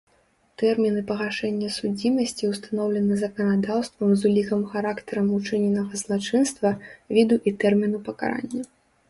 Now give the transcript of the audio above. Тэрміны пагашэння судзімасці ўстаноўлены заканадаўствам з улікам характарам учыненага злачынства, віду і тэрміну пакарання.